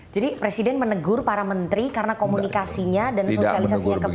jadi presiden menegur para menteri karena komunikasinya dan sosialisasinya ke publik kurang